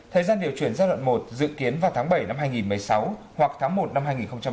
thời gian điều chuyển giai đoạn một dự kiến vào tháng bảy năm hai nghìn một mươi sáu hoặc tháng một năm hai nghìn hai mươi